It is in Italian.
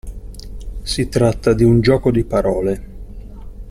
Si tratta di un gioco di parole.